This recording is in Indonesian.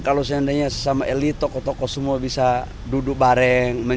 kalau seandainya sesama elit tokoh tokoh semua bisa duduk bareng